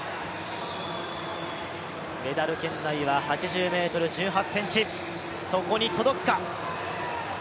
メダル圏内は８ｍ１８ｃｍ、そこに届くか。